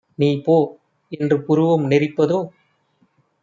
நீபோ! என்று புருவம் நெறிப்பதோ?"